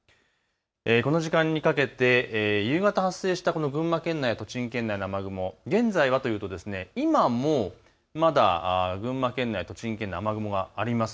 この時間にかけて夕方発生した群馬県内や栃木県内の雨雲、現在はというと今もまだ群馬県内、栃木県内、雨雲があります。